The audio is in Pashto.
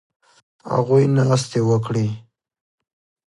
هغوی ناستې وکړې